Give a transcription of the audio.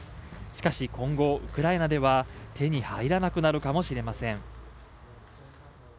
しかし今後、ウクライナでは手に入らなくなるかもしれません。